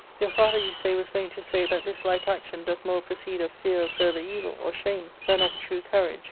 Your father, you say, was wont to say that this like action doth more proceed of fear of further evil or shame than of a true courage.